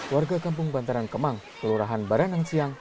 warga kampung bantaran kemang kelurahan baranang siang